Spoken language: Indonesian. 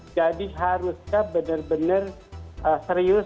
jadi harusnya benar benar serius